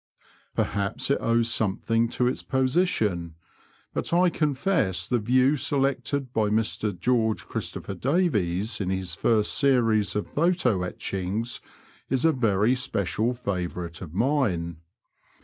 Perhaps it owes something to its position, but I confess the view selected by Mr G. C. Davies in his first series of photo etchings is a very especial favourite of mine.